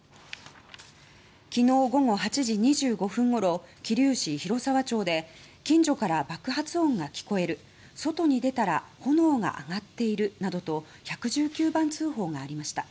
昨日午後８時２５分ごろ桐生市広沢町で近所から爆発音が聞こえる外に出たら炎が上がっているなどと１１９番通報がありました。